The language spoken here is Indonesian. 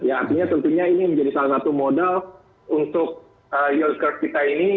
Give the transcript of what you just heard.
ya artinya tentunya ini menjadi salah satu modal untuk yield curve kita ini